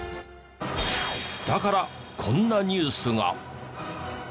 だからこんなニュースが。